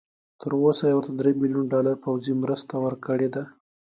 تر اوسه یې ورته درې بيلیونه ډالر پوځي مرسته ورکړي دي.